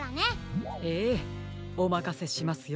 ええおまかせしますよ。